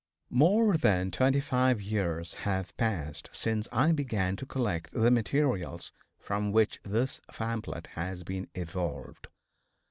More than twenty five years have passed since I began to collect the materials from which this pamphlet has been evolved.